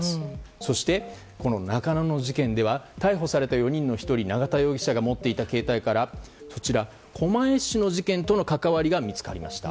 そして、中野の事件では逮捕された４人の１人の永田容疑者が持っていた携帯から狛江市の事件との関わりが見つかりました。